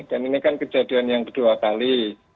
dan ini kan kejadian yang kedua kali